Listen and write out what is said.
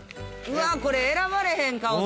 うわこれ選ばれへん顔。